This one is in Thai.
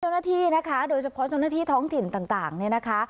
เจ้าหน้าที่นะคะโดยเฉพาะเจ้าหน้าที่ท้องถิ่นต่างเนี่ยนะคะ